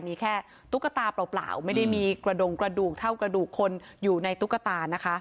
มีแค่ตุ๊กตาเปล่าไม่ได้มีกระดงกระดูกเท่ากระดูกคนอยู่ในตุ๊กตานะคะ